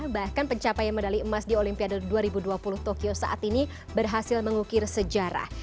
bahkan pencapaian medali emas di olimpiade dua ribu dua puluh tokyo saat ini berhasil mengukir sejarah